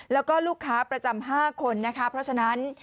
แล้วก็ลูกค้าประจำ๕คนนะคะเพราะฉะนั้น